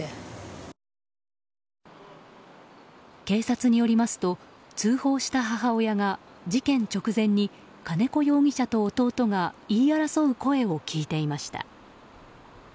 警察によりますと通報した母親が事件直前に金子容疑者と弟が言い争う声を聞いていました。